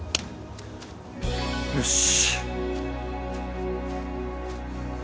よし！